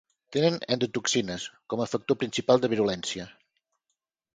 Tenen endotoxines, com a factor principal de virulència.